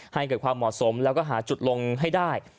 ให้เกิดความเหมาะสมแล้วก็หาจุดลงให้ได้